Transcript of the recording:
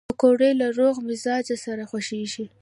پکورې له روغ مزاجو سره خوښېږي